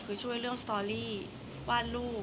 คนเราถ้าใช้ชีวิตมาจนถึงอายุขนาดนี้แล้วค่ะ